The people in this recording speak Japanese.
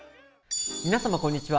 皆様こんにちは。